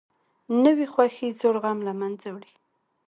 نوې خوښي زوړ غم له منځه وړي